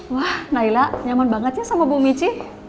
wah naila nyaman bangetnya sama bu mici